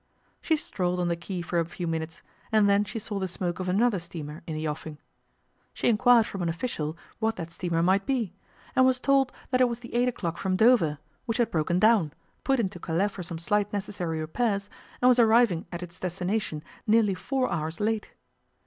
She strolled on the quay for a few minutes, and then she saw the smoke of another steamer in the offing. She inquired from an official what that steamer might be, and was told that it was the eight o'clock from Dover, which had broken down, put into Calais for some slight necessary repairs, and was arriving at its destination nearly four hours late.